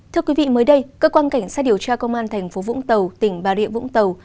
thưa quý vị mới đây cơ quan cảnh sát điều tra công an thành phố vũng tàu tỉnh bà rịa vũng tàu